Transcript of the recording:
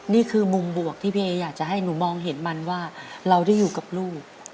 นี่คือมุมบวกที่พี่เออยากจะให้หนูมองเห็นมันว่าเราได้อยู่กับลูก